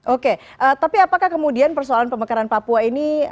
oke tapi apakah kemudian persoalan pemekaran papua ini